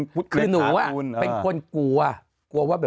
คือหนูเป็นคนกลัว